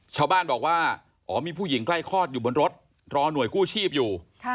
ชาวบ้านบอกว่าอ๋อมีผู้หญิงใกล้คลอดอยู่บนรถรอหน่วยกู้ชีพอยู่